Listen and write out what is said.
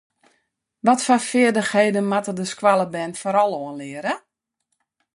Watfoar feardichheden moat de skoalle bern foaral oanleare?